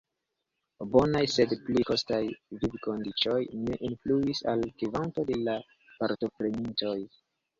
Bonaj, sed pli kostaj, vivkondiĉoj ne influis al la kvanto de la partoprenintoj.